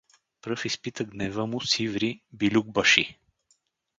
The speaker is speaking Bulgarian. Пръв изпита гнева му Сиври билюкбаши.